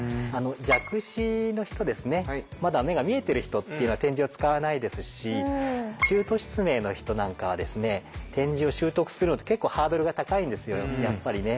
弱視の人ですねまだ目が見えてる人っていうのは点字を使わないですし中途失明の人なんかはですね点字を習得するのって結構ハードルが高いんですよやっぱりね。